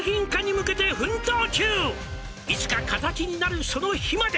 「いつか形になるその日まで」